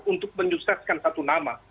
untuk menyusetkan satu nama